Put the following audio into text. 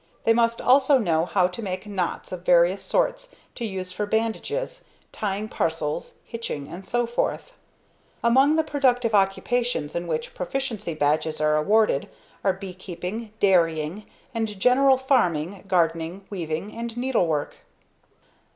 They must also know how to make knots of various sorts to use for bandages, tying parcels, hitching, and so forth. Among the productive occupations in which Proficiency Badges are awarded are bee keeping, dairying and general farming, gardening, weaving and needlework.